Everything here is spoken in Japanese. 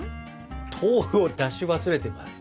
豆腐を出し忘れてます。